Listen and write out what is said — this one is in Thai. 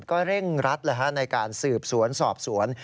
ก็เร่งรัดในการสืบสวนสอบสวน